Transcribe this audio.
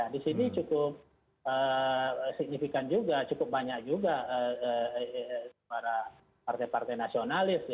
di sini cukup signifikan juga cukup banyak juga para partai partai nasionalis